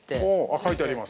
◆書いてあります。